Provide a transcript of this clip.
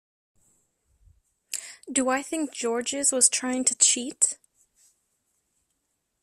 Do I think Georges was trying to cheat?